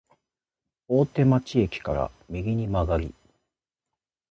大手町駅から右に曲がり、